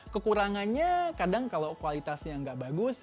kekurangannya kadang kalau kualitasnya nggak bagus